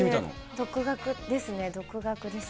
独学ですね、独学です。